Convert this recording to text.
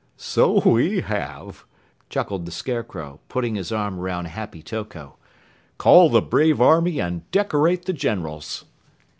"So we have!" chuckled the Scarecrow, putting his arm around Happy Toko. "Call the brave army and decorate the generals!"